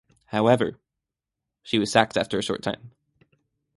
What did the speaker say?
However, she was sacked after a short time.